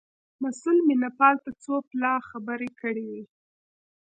مسئول مینه پال ته څو پلا خبره کړې وه.